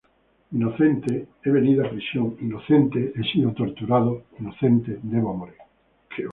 Inocente, he venido a prisión, inocente, he sido torturado, inocente debo morir.